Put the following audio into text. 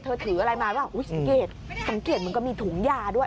เธอถืออะไรมาว่าสังเกตเหมือนกับมีถุงยาด้วย